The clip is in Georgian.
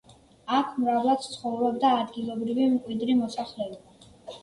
აქ მრავლად ცხოვრობდა ადგილობრივი მკვიდრი მოსახლეობა.